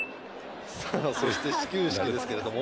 「そして始球式ですけれども」